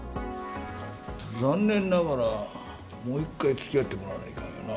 残念ながら、もう一回、つきあってもらわないかんよな。